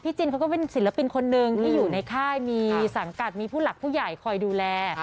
จินเขาก็เป็นศิลปินคนหนึ่งที่อยู่ในค่ายมีสังกัดมีผู้หลักผู้ใหญ่คอยดูแล